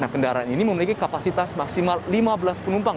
kendaraan ini memiliki kapasitas maksimal lima belas penumpang